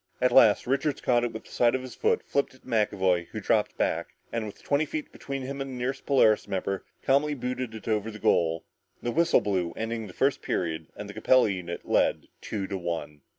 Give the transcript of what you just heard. At last Richards caught it with the side of his foot, flipped it to McAvoy who dropped back, and with twenty feet between him and the nearest Polaris member, calmly booted it over the goal. The whistle blew ending the first period, and the Capella unit led two to one.